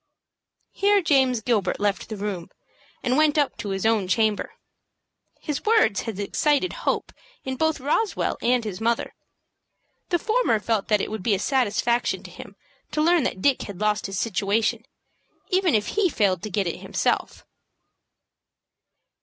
Here James Gilbert left the room, and went up to his own chamber. His words had excited hope in both Roswell and his mother. The former felt that it would be a satisfaction to him to learn that Dick had lost his situation, even if he failed to get it himself.